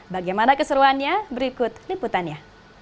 bagaimana keseruannya berikut liputannya